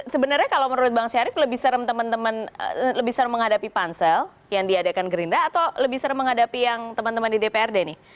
sebenarnya kalau menurut bang syarif lebih serem teman teman lebih serem menghadapi pansel yang diadakan gerindra atau lebih serem menghadapi yang teman teman di dprd nih